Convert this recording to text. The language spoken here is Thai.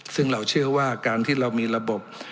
ซึ่งเราเชื่อว่าการที่เรามีระบบ